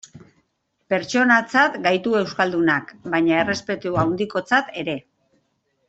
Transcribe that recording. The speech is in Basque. Pertsonatzat gaitu euskaldunak, baita errespetu handikotzat ere.